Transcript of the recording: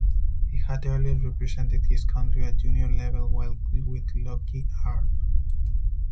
He had earlier represented his country at Junior level while with Lochee Harp.